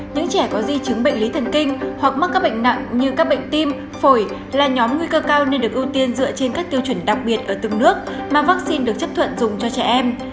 những trẻ có di chứng bệnh lý thần kinh hoặc mắc các bệnh nặng như các bệnh tim phổi là nhóm nguy cơ cao nên được ưu tiên dựa trên các tiêu chuẩn đặc biệt ở từng nước mà vaccine được chấp thuận dùng cho trẻ em